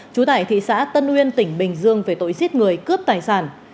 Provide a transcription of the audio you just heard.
trú tại thị xã tân uyên tỉnh bình dương về tội giết người cướp tài sản